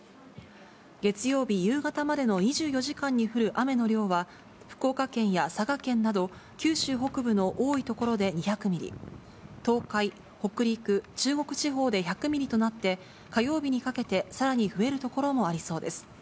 月曜日夕方までの２４時間に降る雨の量は、福岡県や佐賀県など、九州北部の多い所で２００ミリ、東海、北陸、中国地方で１００ミリとなって、火曜日にかけてさらに増える所もありそうです。